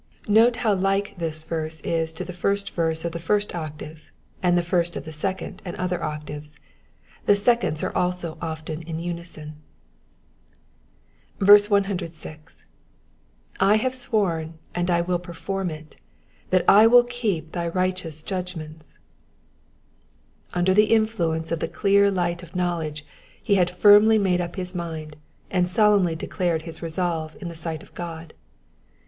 Note how like this verse is to the first verse of the first octave, and the first of the second and other octaves. The seconds also are often in unison. 106. / have sworn, and I will perform it, that I will keep thy righteous judgments."^^ Under the influence of the clear light of knowledge he had firmly made up his mind, and solemnly declared his resolve in the sight of God.